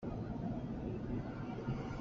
Nga an fuan lioah tlaih ding an si lo.